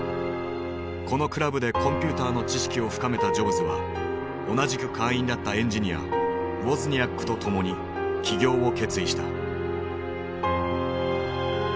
このクラブでコンピューターの知識を深めたジョブズは同じく会員だったエンジニアウォズニアックとともに起業を決意した。